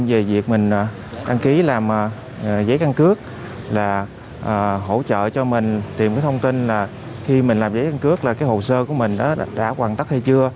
về việc mình đăng ký làm giấy căn cước là hỗ trợ cho mình tìm cái thông tin là khi mình làm giấy căn cước là cái hồ sơ của mình đã hoàn tất hay chưa